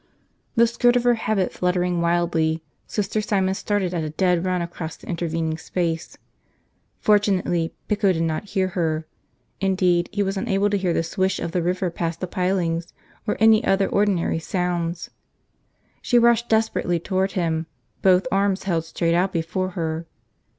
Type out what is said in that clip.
... The skirt of her habit fluttering wildly, Sister Simon started at a dead run across the intervening space. Fortunately, Pico did not hear her; indeed he was unable to hear the swish of the river past the pilings or any other ordinary sounds. She rushed desperately toward him, both arms held straight out before her.